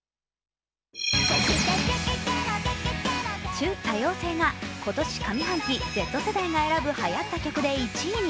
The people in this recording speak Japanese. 「ちゅ、多様性」が今年上半期Ｚ世代が選ぶはやった曲で１位に。